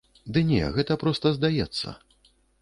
Ды не, гэта проста здаецца.